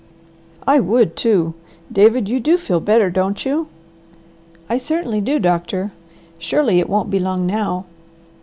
"I would too! David, you do feel better, don't you?" "I certainly do, Doctor. Surely it won't be long now!"